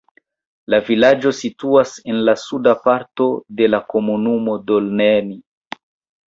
La vilaĝo situas en la suda parto de la komunumo Dolneni.